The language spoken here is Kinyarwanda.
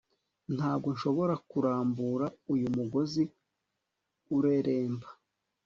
Ntabwo nshobora kurambura uyu mugozi ureremba